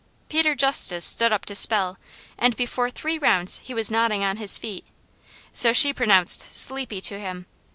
Peter Justice stood up to spell and before three rounds he was nodding on his feet, so she pronounced "sleepy" to him.